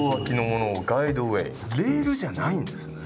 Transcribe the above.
レールじゃないんですね。